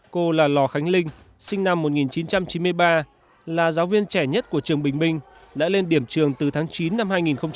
cô là lò khánh linh sinh năm một nghìn chín trăm chín mươi ba là giáo viên trẻ nhất của trường bình minh đã lên điểm trường từ tháng chín năm hai nghìn một mươi chín